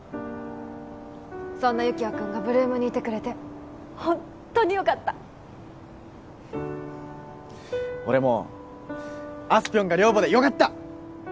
そんな有起哉君が８ＬＯＯＭにいてくれてホントによかった俺もあすぴょんが寮母でよかった！